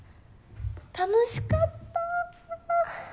楽しかった！